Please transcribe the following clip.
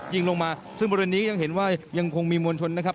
ยิงลงมาซึ่งบริเวณนี้ยังเห็นว่ายังคงมีมวลชนนะครับ